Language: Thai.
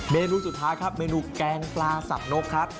นูสุดท้ายครับเมนูแกงปลาสับนกครับ